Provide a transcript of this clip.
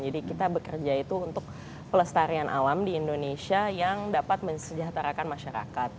jadi kita bekerja itu untuk pelestarian alam di indonesia yang dapat mensejahterakan masyarakat